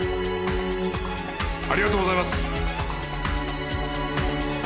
ありがとうございます！